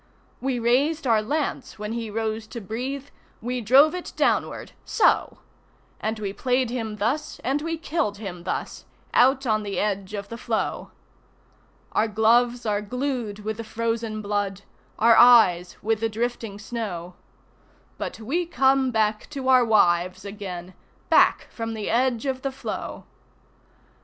We raised our lance when he rose to breathe, We drove it downward so! And we played him thus, and we killed him thus, Out on the edge of the floe. Our gloves are glued with the frozen blood, Our eyes with the drifting snow; But we come back to our wives again, Back from the edge of the floe!